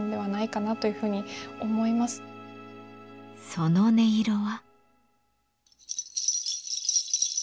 その音色は。